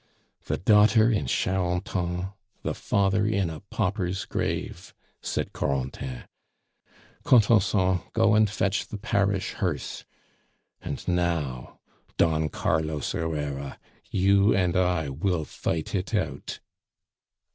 The daughter in Charenton, the father in a pauper's grave!" said Corentin "Contenson, go and fetch the parish hearse. And now, Don Carlos Herrera, you and I will fight it out!"